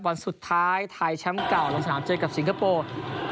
วันสุดท้ายไทยแชมป์เก่าลงสนามเจอกับสิงคโปร์